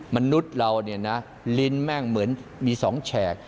มนุษย์เราเนี่ยนะลิ้นแม่งเหมือนมี๒แฉก